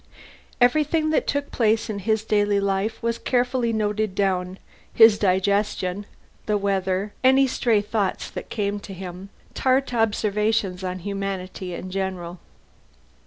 Everything that took place in his daily life was carefully noted down his digestion, the weather, any stray thoughts that came to him, tart observations on humanity in general.